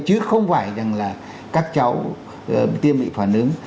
chứ không phải rằng là các cháu tiêm bị phản ứng